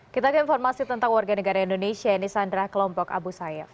kita akan informasi tentang warga negara indonesia ini sandra kelompok abu sayyaf